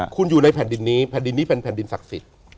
คุณอยู่ในแผ่นดินนี้แผ่นดินนี้เป็นแผ่นดินศักดิ์สิทธิ์